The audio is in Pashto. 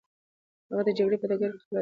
هغه د جګړې په ډګر کې خپل هدف ته ورسېد.